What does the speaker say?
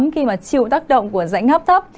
khi mà chịu tác động của dạnh áp thấp